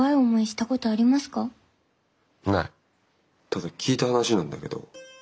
ただ聞いた話なんだけど。